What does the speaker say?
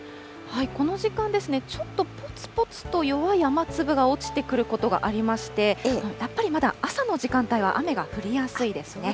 この時間ですね、ちょっとぽつぽつと弱い雨粒が落ちてくることがありまして、やっぱりまだ、朝の時間帯は雨が降りやすいですね。